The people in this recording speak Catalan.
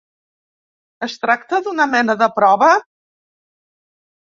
Es tracta d'una mena de prova?